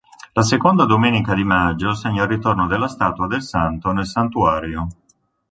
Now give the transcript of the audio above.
La seconda domenica di maggio segna il ritorno della statua del santo nel santuario.